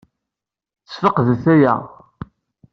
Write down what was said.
Sfeqdet aya.